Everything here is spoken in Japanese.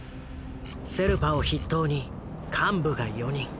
セルパを筆頭に幹部が４人。